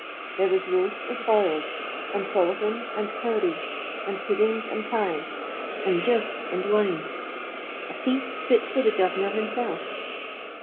There was roast and boiled, and sollaghan and cowree, and puddings and pies, and jough and wine a feast fit for the Governor himself.